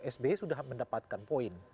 sbe sudah mendapatkan poin